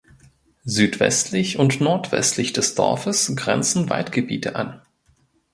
Südwestlich und nordwestlich des Dorfes grenzen Waldgebiete an.